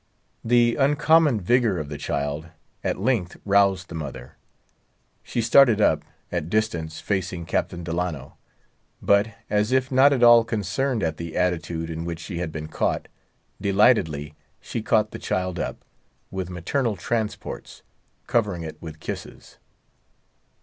The uncommon vigor of the child at length roused the mother. She started up, at a distance facing Captain Delano. But as if not at all concerned at the attitude in which she had been caught, delightedly she caught the child up, with maternal transports, covering it with kisses.